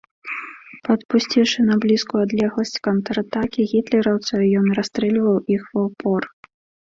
Падпусціўшы на блізкую адлегласць контратакі гітлераўцаў, ён расстрэльваў іх ва ўпор.